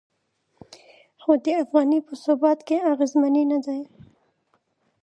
خو د افغانۍ په ثبات کې اغیزمنې نه دي.